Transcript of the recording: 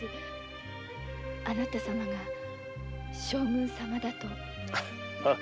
あなた様は将軍様だと。